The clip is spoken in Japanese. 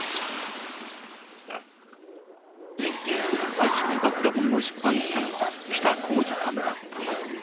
最初に暴露本を出版したのは北公次さんだった。